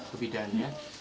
ke bidan ya